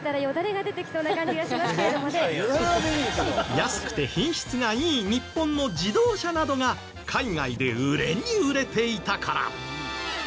安くて品質がいい日本の自動車などが海外で売れに売れていたから。